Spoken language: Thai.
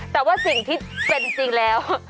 แต่ว่าสิ่งที่เป็นจริงแล้ว